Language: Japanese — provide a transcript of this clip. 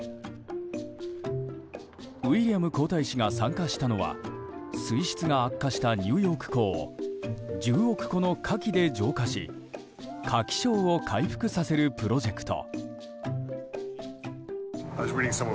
ウィリアム皇太子が参加したのは水質が悪化したニューヨーク港を１０億個のカキで浄化しカキ礁を回復させるプロジェクト。